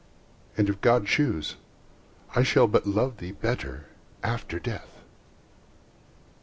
—and, if God choose, I shall but love thee better after death.